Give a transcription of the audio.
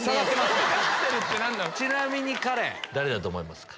ちなみにカレン誰だと思いますか？